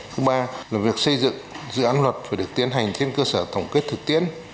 thứ ba là việc xây dựng dự án luật phải được tiến hành trên cơ sở tổng kết thực tiễn